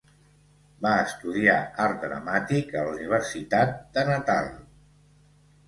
Va estudiar art dramàtic a la Universitat de Natal.